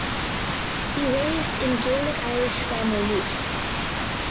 He raised in Gaelic Irish family root.